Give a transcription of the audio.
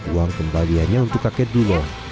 uang kembaliannya untuk kakek dulo